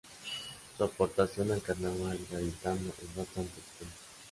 Su aportación al carnaval gaditano es bastante extensa.